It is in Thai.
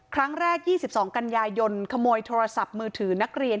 ครั้งแรก๒๒กันยายนขโมยโทรศัพท์มือถือนักเรียน